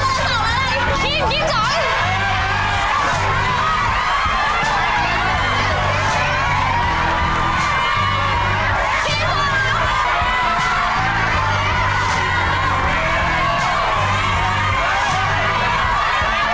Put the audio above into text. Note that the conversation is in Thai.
ช็อกเลน้ำ